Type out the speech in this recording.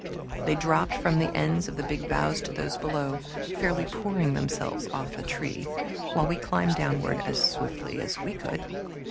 They dropped from the ends of the big boughs to those below, fairly pouring themselves off the tree, while we climbed downward as swiftly as we could.